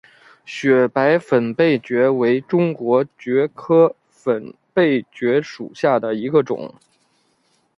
雪白粉背蕨为中国蕨科粉背蕨属下的一个种。